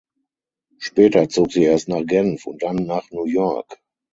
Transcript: Später zog sie erst nach Genf und dann nach New York.